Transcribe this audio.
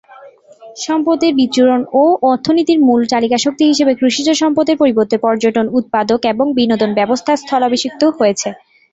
সম্পদের বিচ্ছুরণ ও অর্থনীতির মূল চালিকাশক্তি হিসেবে কৃষিজ সম্পদের পরিবর্তে পর্যটন, উৎপাদক এবং বিনোদন ব্যবস্থা স্থলাভিষিক্ত হয়েছে।